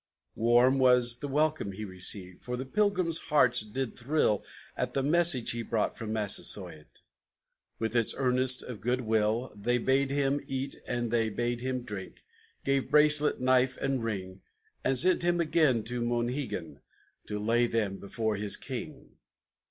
Warm was the welcome he received, For the Pilgrims' hearts did thrill At the message he brought from Massasoit, With its earnest of good will. They bade him eat and they bade him drink, Gave bracelet, knife, and ring, And sent him again to Monhegan To lay them before his king.